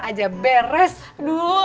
aja beres aduh